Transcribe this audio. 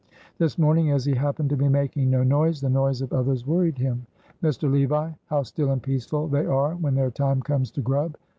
This morning, as he happened to be making no noise, the noise of others worried him. "Mr. Levi, how still and peaceful they are when their time comes to grub.